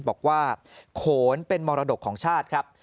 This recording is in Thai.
บอกว่าโขนเป็นมรดกของชาติครับ